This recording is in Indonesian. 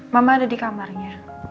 mama ada di kamarnya